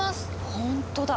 ほんとだ。